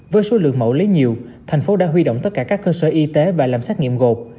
với số lượng mẫu lấy nhiều thành phố đã huy động tất cả các cơ sở y tế và làm xét nghiệm gột